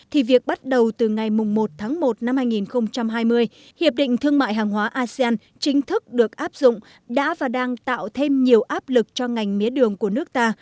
thì việc bắt đầu từ ngày một tháng một năm hai nghìn hai mươi hiệp định thương mại hàng hóa asean chính thức được áp dụng đã và đang tạo thêm nhiều áp lực cho ngành mía đường của nước ta